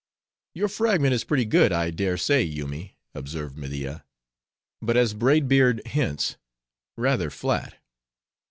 "Your fragment is pretty good, I dare say, Yoomy," observed Media, "but as Braid Beard hints, rather flat."